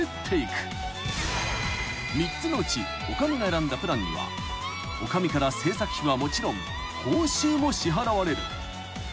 ［３つのうち女将が選んだプランには女将から制作費はもちろん報酬も支払われる］